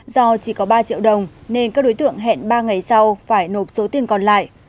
do chỉ có ba triệu đồng nên các đối tượng hẹn ba ngày sau phải nộp số tiền còn lại